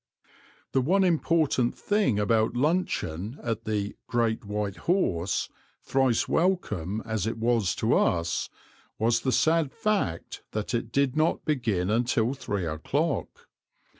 The one important thing about luncheon at the "Great White Horse," thrice welcome as it was to us, was the sad fact that it did not begin until three o'clock.